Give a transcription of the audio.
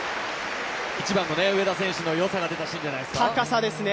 上田選手の良さが出たシーンじゃないですかね。